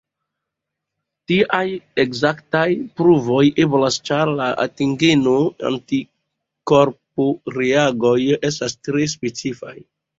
Tiaj ekzaktaj pruvoj eblas, ĉar la antigeno-antikorporeagoj estas tre specifaj.